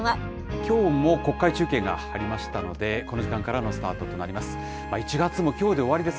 きょうも国会中継がありましたので、この時間からのスタートとなります。